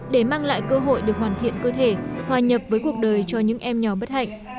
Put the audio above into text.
để mang lại cơ hội được hoàn thiện cơ thể hòa nhập với cuộc đời cho những em nhỏ bất hạnh